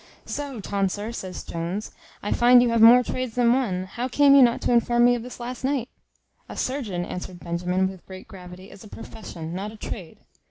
"So, tonsor," says Jones, "I find you have more trades than one; how came you not to inform me of this last night?" "A surgeon," answered Benjamin, with great gravity, "is a profession, not a trade.